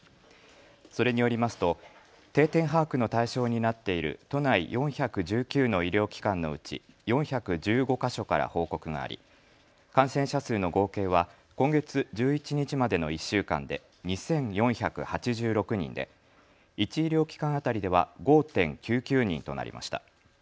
それによりますと定点把握の対象になっている都内４１９の医療機関のうち４１５か所から報告があり感染者数の合計は今月１１日までの１週間で２４８６人で１医療機関当たりでは５．９９人となりました。